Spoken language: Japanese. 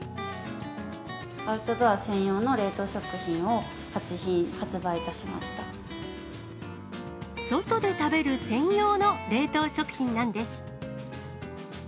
アウトドア専用の冷凍食品を外で食べる専用の冷凍食品なんです。